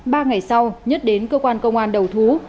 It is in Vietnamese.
ba ngày sau nhất đến cơ quan công an đầu thú